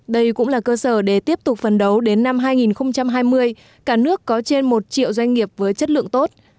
đây cũng là cơ sở để tiếp tục phấn đấu đến năm hai nghìn hai mươi cả nước có trên một triệu doanh nghiệp với chất lượng tốt